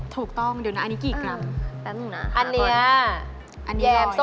ถูกต้องเดี๋ยวน่ะอันนี้กี่กรัม